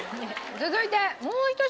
続いて。